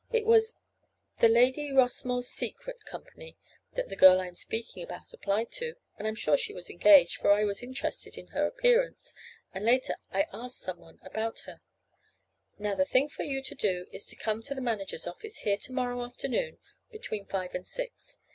It was the 'Lady Rossmore's Secret' company that the girl I am speaking about applied to, and I'm sure she was engaged, for I was interested in her appearance, and later I asked some one about her. Now the thing for you to do is to come to the manager's office here to morrow afternoon, between five and six.